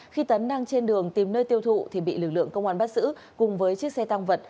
khi tấn đang trên đường tìm nơi tiêu thụ thì bị lực lượng công an bắt giữ cùng với chiếc xe tăng vật